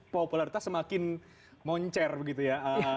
popularitas semakin moncer begitu ya